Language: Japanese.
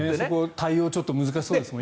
対応ちょっと難しそうですね。